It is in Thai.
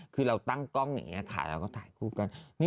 คือเราตั้งกล้องอย่างนี้ค่ะเราก็ถ่ายคู่กัน